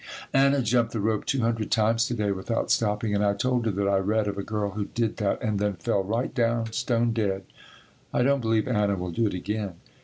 Anna jumped the rope two hundred times to day without stopping, and I told her that I read of a girl who did that and then fell right down stone dead. I don't believe Anna will do it again.